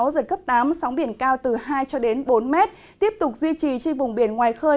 giật cấp tám sóng biển cao từ hai bốn mét tiếp tục duy trì trên vùng biển ngoài khơi